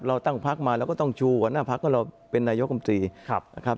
เราตั้งพักมาแล้วก็ต้องชูหัวหน้าพักว่าเราเป็นนายกราชมนตรี